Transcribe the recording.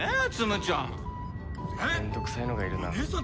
めんどくさいのがいるな。